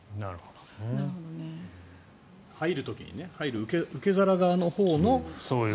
入る時に入る受け皿側のほうも。